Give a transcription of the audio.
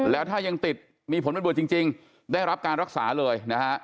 แล้วถ้ายังติดมีผลไม่บวกจริงได้รับการรักษาเลย